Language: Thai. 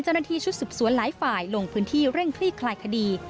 ชุดสืบสวนหลายฝ่ายลงพื้นที่เร่งคลี่คลายคดี